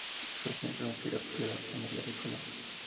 Fue siempre un criado fiel a la familia Colón.